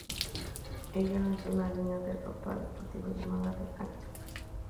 Ella lanzó una línea de ropa deportiva llamada Ren Active.